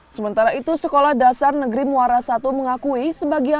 sementara itu sekolah dasar negeri muara i mengakui